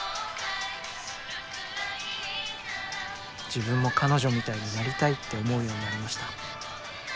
自分も彼女みたいになりたいって思うようになりました。